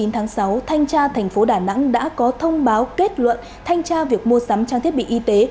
tháng sáu thanh tra tp đà nẵng đã có thông báo kết luận thanh tra việc mua sắm trang thiết bị y tế